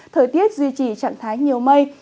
thời tiết duy trì trạng thái nhiều mây